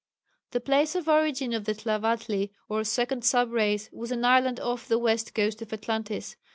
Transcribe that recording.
The place of origin of the Tlavatli or 2nd sub race was an island off the west coast of Atlantis.